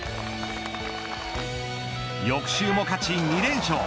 翌週も勝ち２連勝。